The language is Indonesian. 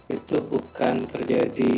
itu bukan terjadi